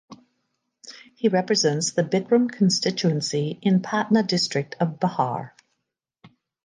He represents the Bikram constituency in Patna district of Bihar.